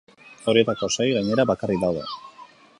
Horietako sei, gainera, bakarrik daude.